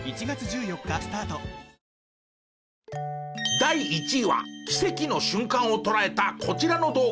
第１位は奇跡の瞬間を捉えたこちらの動画。